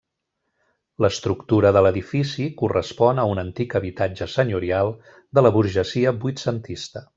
L'estructura de l'edifici correspon a un antic habitatge senyorial de la burgesia vuitcentista.